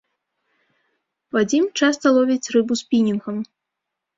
Вадзім часта ловіць рыбу спінінгам.